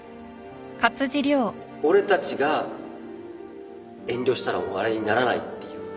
俺たちが遠慮したらお笑いにならないっていう。